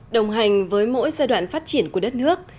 đồng hành với mỗi giai đoạn phát triển của đất nước